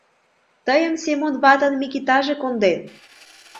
Тыйым Семон ватын Микитаже конден.